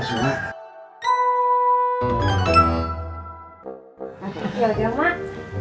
nanti pergi aja mak